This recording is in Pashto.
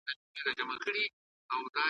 د رنګارنګ شګوفو `